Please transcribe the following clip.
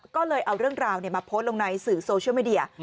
ก็เลยเอาเรื่องราวมาโพสต์ลงในสื่อโซเชียลมีเดีย